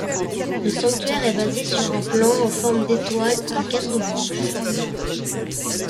Le sanctuaire est basé sur un plan en forme d'étoile à quatre branches.